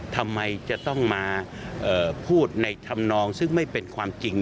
ทำไมจะต้องมาพูดในธรรมนองซึ่งไม่เป็นความจริง